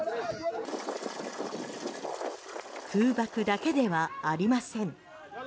空爆だけではありません。